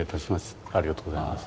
ありがとうございます。